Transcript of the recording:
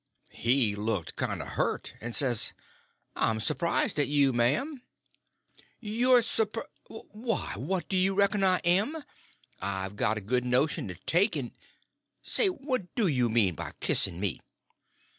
He looked kind of hurt, and says: "I'm surprised at you, m'am." "You're s'rp—Why, what do you reckon I am? I've a good notion to take and—Say, what do you mean by kissing me?"